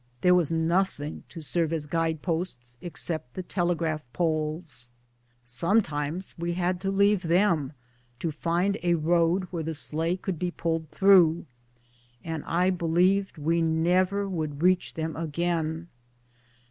There was noth ing to serve as guide posts except the telegraph poles. Sometimes we had to leave them to find a road where the sleigh could be pulled through, and I believed we never would reach them again.